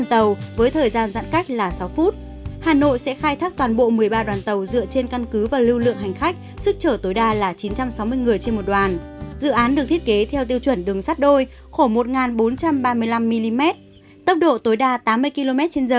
tốc độ khai thác là ba mươi năm km trên giờ